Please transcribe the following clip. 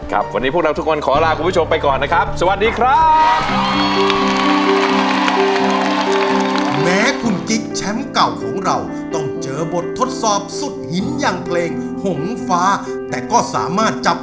ครับวันนี้พวกเราทุกวันขอลาก่อนคุณผู้ชมไปก่อนนะครับ